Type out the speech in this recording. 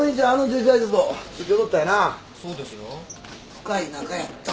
深い仲やった。